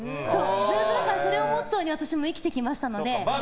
ずっとだからそれをモットーに生きてきましたので。